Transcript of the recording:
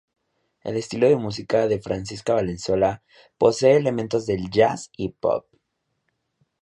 El estilo de música de Francisca Valenzuela posee elementos del Jazz y Pop.